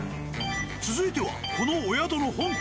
続いてはこのお宿の本体。